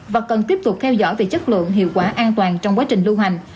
và cần tiếp tục theo dõi về chất lượng hiệu quả an toàn trong quá trình lưu hành